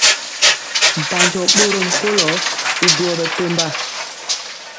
Mpanjɔ bɔrɔm kolo y duoi bɛtɔmba.